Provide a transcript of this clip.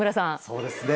そうですね！